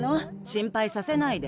心ぱいさせないで。